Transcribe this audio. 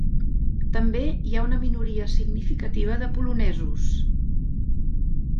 També hi ha una minoria significativa de polonesos.